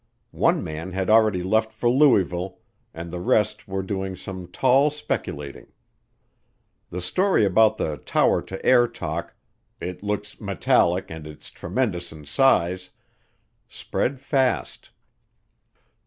One man had already left for Louisville and the rest were doing some tall speculating. The story about the tower to air talk. "It looks metallic and it's tremendous in size," spread fast.